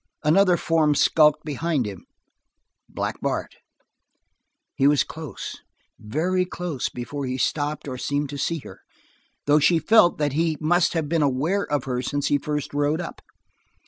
Another form skulked behind him Black Bart. He was close, very close, before he stopped, or seemed to see her, though she felt that he must have been aware of her since he first rode up.